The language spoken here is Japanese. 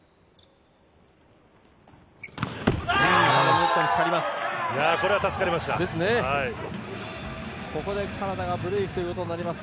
ネットにかかります。